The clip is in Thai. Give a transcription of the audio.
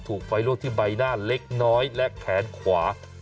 ถูกไฟลวกที่ใบหน้าเล็กน้อยและแขนขวา